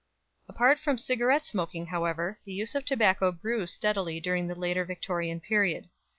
Apart from cigarette smoking, however, the use of tobacco grew steadily during the later Victorian period.